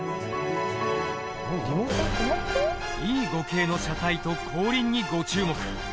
Ｅ５系の車体と後輪にご注目。